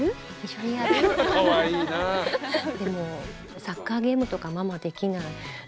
でもサッカーゲームとかママできない。